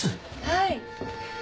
はい。